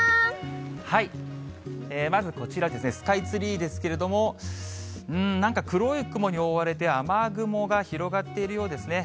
まずこちら、スカイツリーですけれども、うーん、なんか黒い雲に覆われて、雨雲が広がっているようですね。